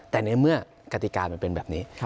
แต่ในเมื่อกติกามันเป็นแบบนี้